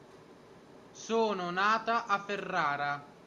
Sono nata a Ferrara.